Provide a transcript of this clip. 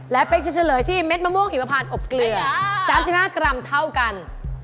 และเป๊กจะเฉลยที่เม็ดมะม่วงหิมพานอบเกลือ๓๕กรัมเท่ากัน